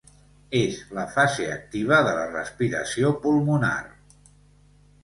És la fase activa de la respiració pulmonar.